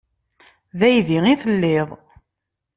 D aydi i telliḍ.